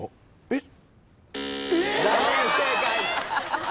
えっ！